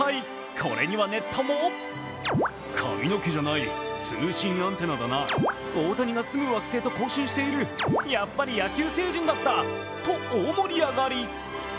これにはネットもと大盛り上がり。